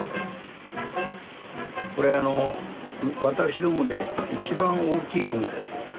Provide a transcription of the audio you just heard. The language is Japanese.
これ私どもで一番大きいこまです。